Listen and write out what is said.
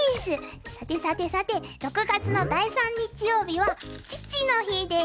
さてさてさて６月の第３日曜日は父の日です。